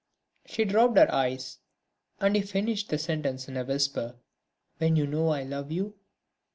She dropped her eyes; and he finished the sentence in a whisper: "... when you know I love you?"